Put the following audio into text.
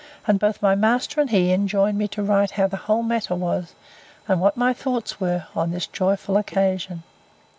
and both my master and he enjoined me to write how the whole matter was, and what my thoughts were on this joyful occasion.